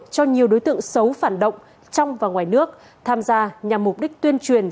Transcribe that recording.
cho nhiều đối tượng xấu phản động trong và ngoài nước tham gia nhằm mục đích tuyên truyền